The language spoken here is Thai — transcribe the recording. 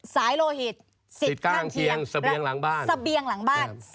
สายโลหิตสิดข้างเคียงสะเบียงหลังบ้าน